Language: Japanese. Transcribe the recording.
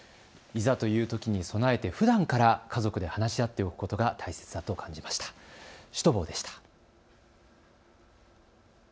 いざというときに備えてふだんから家族で話し合っておくことが大切だと感じました。